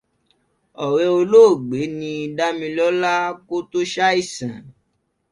Ọ̀rẹ́ olóògbé ní Dámilọ́lá kò tó sàìsàn.